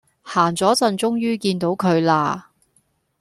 行左陣終於見到佢啦